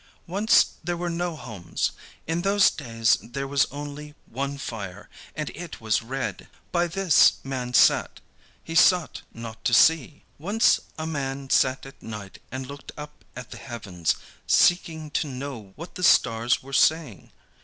"Once there were no homes. In those days there was only one fire, and it was red. By this man sat. He sought not to see. "Once a man sat at night and looked up at the heavens, seeking to know what the stars were saying.